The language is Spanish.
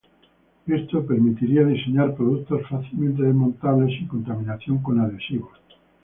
Esto permitiría diseñar productos fácilmente desmontables sin contaminación con adhesivos.